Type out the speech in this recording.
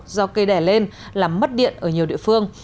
do cây đẻ lên làm mất điện ở nhiều địa phương